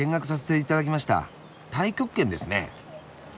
太極拳ですね。